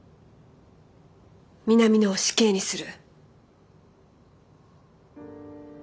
南野を死刑にする。